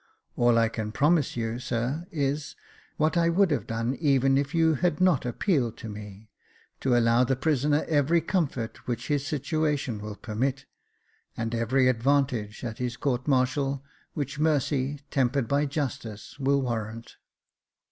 All I can promise you, sir, is, what I would have done even if you had not appealed to me, to allow the prisoner every comfort which his situation will permit, and every advan tage at his court martial, which mercy, tempered by justice, will warrant."